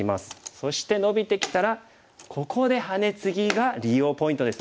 そしてノビてきたらここでハネツギが利用ポイントですね。